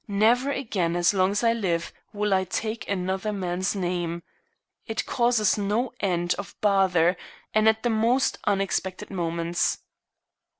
Never again, as long as I live, will I take another man's name. It causes no end of bother, and at the most unexpected moments."